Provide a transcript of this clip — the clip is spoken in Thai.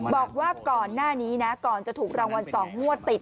บอกว่าก่อนหน้านี้นะก่อนจะถูกรางวัล๒งวดติด